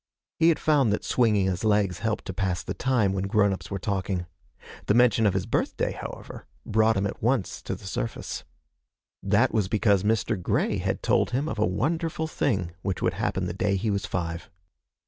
He had found that swinging his legs helped to pass the time when grown ups were talking. The mention of his birthday, however, brought him at once to the surface. That was because Mr. Grey had told him of a wonderful thing which would happen the day he was five.